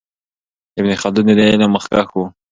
ابن خلدون د دې علم مخکښ و.